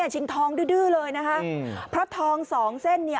ชิงทองดื้อเลยนะคะเพราะทองสองเส้นเนี่ย